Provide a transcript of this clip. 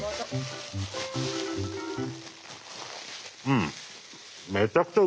うん！